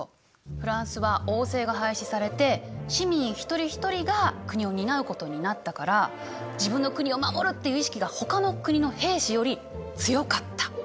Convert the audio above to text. フランスは王政が廃止されて市民一人一人が国を担うことになったから自分の国を守るっていう意識がほかの国の兵士より強かった。